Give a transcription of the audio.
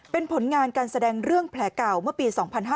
เป็นผลงานการแสดงเรื่องแผลเก่าเมื่อปี๒๕๕๙